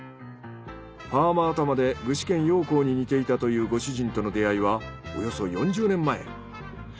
パーマ頭で具志堅用高に似ていたというご主人との出会いはおよそ４０年前。